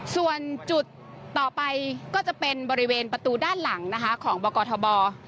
ส่วนจุดต่อไปก็จะเป็นบริเวณประตูด้านหลังนะคะของบกทบ